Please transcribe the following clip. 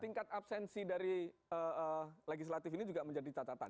tingkat absensi dari legislatif ini juga menjadi catatan